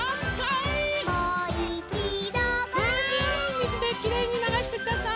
みずできれいにながしてください。